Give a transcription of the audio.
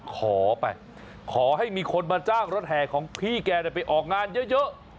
ขอไปขอให้มีคนมาจ้างรถแห่ของพี่แกไปออกงานเยอะ